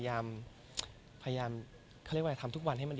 ก็มีไปคุยกับคนที่เป็นคนแต่งเพลงแนวนี้